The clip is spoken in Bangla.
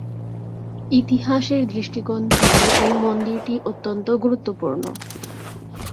ইতিহাসের দৃষ্টিকোণ থেকে এই মন্দিরটি অত্যন্ত গুরুত্বপূর্ণ।